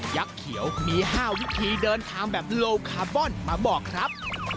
ักษ์เขียวมี๕วิธีเดินทางแบบโลคาร์บอนมาบอกครับ